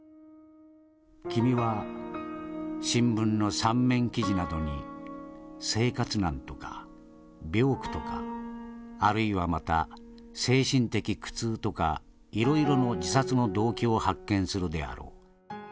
君は新聞の三面記事などに生活難とか病苦とかあるいはまた精神的苦痛とかいろいろの自殺の動機を発見するであろう。